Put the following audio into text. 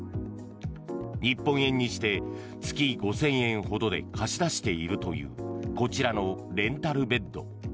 日本円にして月５０００円ほどで貸し出しているというこちらのレンタルベッド。